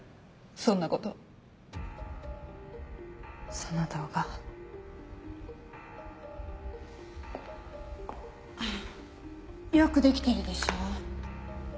そんなことその動画よくできてるでしょ？